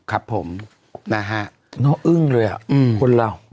ครับผมน้องอึ้งเลยอ่ะคนเล่า